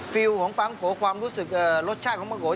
ฟิลล์ของปังโกรสชาติของปังโก